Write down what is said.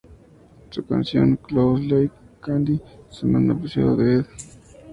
Su canción "Clowns Like Candy" sonó en un episodio de "Ed".